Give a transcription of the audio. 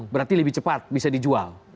berarti lebih cepat bisa dijual